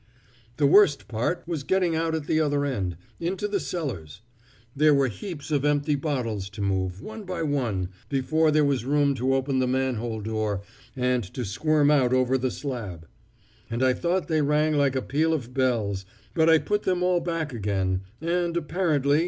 The worst part was getting out at the other end, into the cellars; there were heaps of empty bottles to move, one by one, before there was room to open the manhole door and to squirm out over the slab; and I thought they rang like a peal of bells, but I put them all back again, and apparently